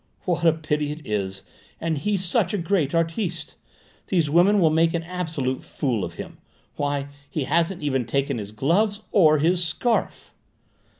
"What a pity it is! And he such a great artiste! These women will make an absolute fool of him! Why, he hasn't even taken his gloves or his scarf!"